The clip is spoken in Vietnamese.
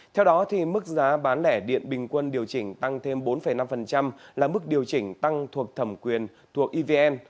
theo đó mức giá bán lẻ điện bình quân điều chỉnh tăng thêm bốn năm là mức điều chỉnh tăng thuộc thẩm quyền thuộc evn